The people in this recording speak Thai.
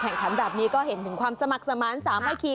แข่งขันแบบนี้ก็เห็นถึงความสมัครสมาร์น๓ไฮคี